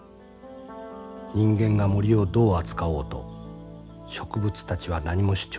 人間が森をどう扱おうと植物たちは何も主張しない。